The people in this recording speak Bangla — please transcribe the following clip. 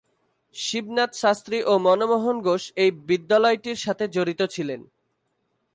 শিবনাথ শাস্ত্রী ও মনমোহন ঘোষ এই বিদ্যালয়টির সাথে জড়িত ছিলেন।